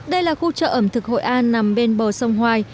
đây là khu chợ ẩm thực hội an nằm bên bờ sông hoài